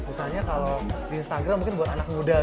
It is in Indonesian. misalnya kalau di instagram mungkin buat anak muda